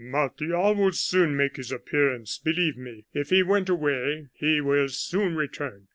"Martial will soon make his appearance, believe me. If he went away, he will soon return.